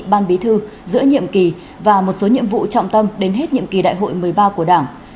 ban bí thư giữa nhiệm kỳ và một số nhiệm vụ trọng tâm đến hết nhiệm kỳ đại hội một mươi ba của đảng